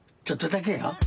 ちょっとだけよ？